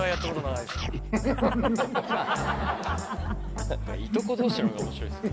いとこ同士なのが面白いですね。